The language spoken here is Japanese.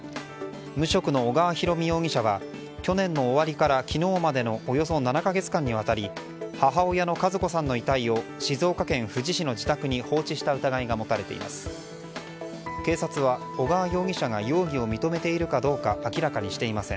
無職の小川裕深容疑者は去年の終わりから昨日までの７か月間にわたり母親の和子さんの遺体を静岡県富士市の自宅に放置した疑いが持たれています。